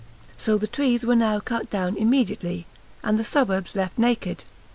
So the trees were now cut down immediately, and the suburbs left naked.